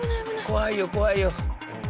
怖いよ怖いよ。